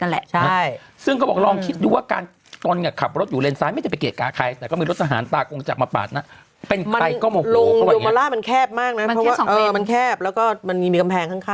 แล้วก็มันมีกำแพงข้างด้วย